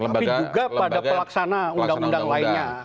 tapi juga pada pelaksana undang undang lainnya